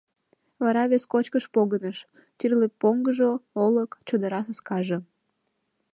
Вара вес кочкыш погыныш: тӱрлӧ поҥгыжо, олык, чодыра саскаже.